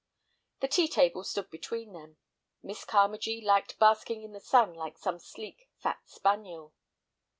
The tea table stood between them. Miss Carmagee liked basking in the sun like some sleek, fat spaniel.